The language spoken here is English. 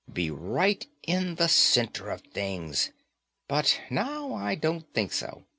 Be right in the center of things. But now I don't think so.